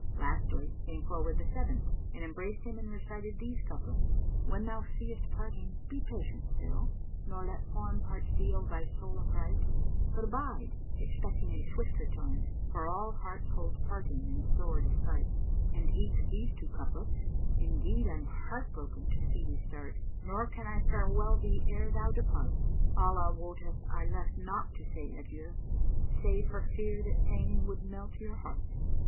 Lastly came forward the seventh and embraced him and recited these couplets, "When thou seest parting, be patient still, * Nor let foreign parts deal thy soul affright: But abide, expecting a swift return, * For all hearts hold parting in sore despight." And eke these two couplets, "Indeed I'm heartbroken to see thee start, * Nor can I farewell thee ere thou depart; Allah wotteth I left not to say adieu * Save for fear that saying would melt your heart."